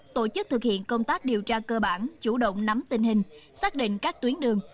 tổ chức thực hiện công tác điều tra cơ bản chủ động nắm tình hình xác định các tuyến đường